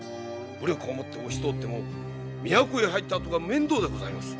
武力をもって押し通っても都へ入ったあとが面倒でございます。